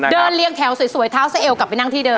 เดินเลี้ยงแถวสวยท้าวเส้าเอวกลับไปนั่งที่เดิน